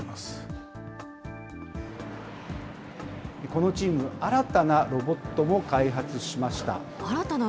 このチーム、新たなロボットも開発しました。